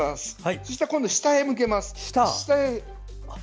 そうしたら今度は下へ向けます。